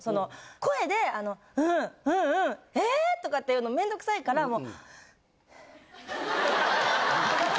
声で「うんうんうんえ！？」とかって言うのめんどくさいからもう。とかって。